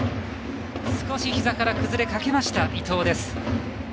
少し膝から崩れかけました伊藤です。